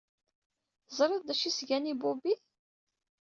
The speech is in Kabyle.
Teẓriḍ d acu i s-gan i ubibi?